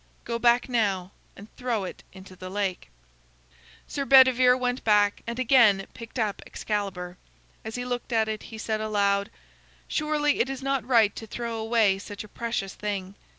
Go back now, and throw it into the lake." Sir Bedivere went back and again picked up Excalibur. As he looked at it he said aloud: "Surely it is not right to throw away such a precious thing.